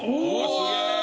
すげえ！